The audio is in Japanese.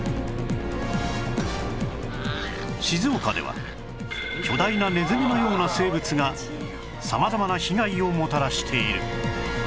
静岡では巨大なネズミのような生物が様々な被害をもたらしている